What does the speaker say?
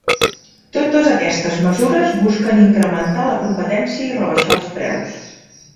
Totes aquestes mesures busquen incrementar la competència i rebaixar els preus.